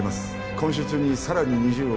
今週中にさらに２０億